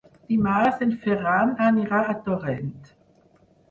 Dimarts en Ferran anirà a Torrent.